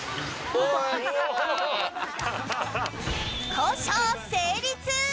交渉成立。